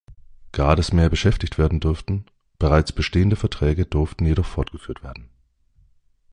Grades mehr beschäftigt werden dürfen, bereits bestehende Verträge durften jedoch fortgeführt werden.